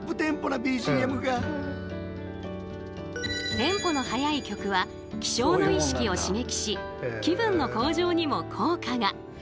テンポの速い曲は起床の意識を刺激し気分の向上にも効果が！